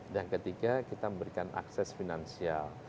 dan ketiga kita memberikan akses finansial